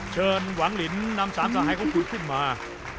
เชิญหวังลินนำสามสาหายเขาถูกขึ้นมา